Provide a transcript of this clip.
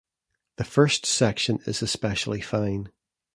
The first section is especially fine.